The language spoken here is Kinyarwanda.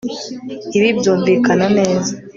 Ibi byumvikana neza